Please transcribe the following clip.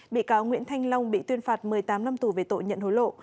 bị cáo nguyễn thanh long bị tuyên phạt một mươi tám năm tù về tội nhận hối lộ